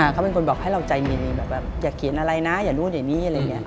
เขาเป็นคนบอกให้เราใจเย็นอย่าเขียนอะไรนะอย่านู่นอย่างนี้